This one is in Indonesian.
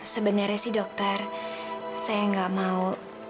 sebenarnya sih dokter saya nggak mau